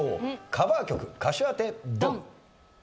カバー曲歌手当てドン！